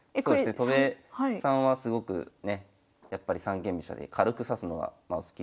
戸辺さんはすごくね三間飛車で軽く指すのがお好きで。